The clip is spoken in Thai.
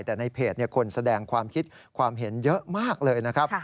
แต่ในเพจคนแสดงความคิดความเห็นเยอะมากเลยนะครับ